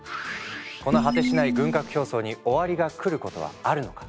この果てしない軍拡競争に終わりが来ることはあるのか。